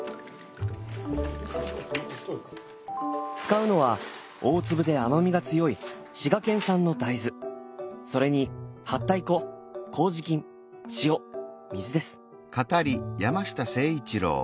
使うのは大粒で甘みが強い滋賀県産の大豆それにはったい粉麹菌塩水です。